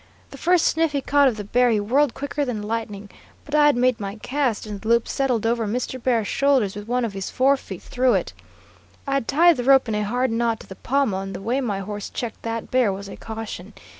The first sniff he caught of the bear, he whirled quicker than lightning, but I had made my cast, and the loop settled over Mr. Bear's shoulders, with one of his fore feet through it. I had tied the rope in a hard knot to the pommel, and the way my horse checked that bear was a caution.